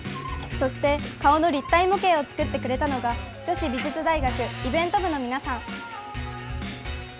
そして顔の立体模型を作ってくれたのが女子美術大学イベント部の皆さん。